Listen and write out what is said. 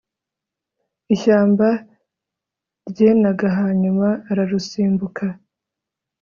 Ishyamba ryenag hanyuma ararusimbuka